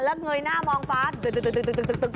แล้วเงยหน้ามองฟ้าตึก